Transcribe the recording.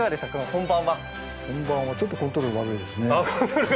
本番はちょっとコントロールが悪いですね。